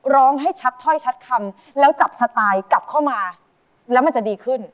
ร้องให้ชัดถ้อยชัดคำแล้วจับสไตล์กลับเข้ามาแล้วมันจะดีขึ้น